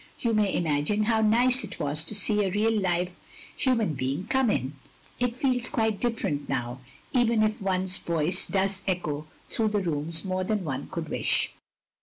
You may imagine how nice it was to see a real live htiman being come in. It feels quite dif ferent now, even if one's voice does echo through the rooms more than one could wish.